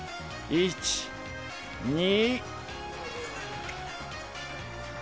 １２。